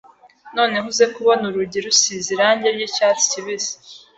noneho uze kubona urugi rusize irangi ry'icyatsi kibisi.